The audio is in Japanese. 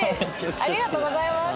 ありがとうございます！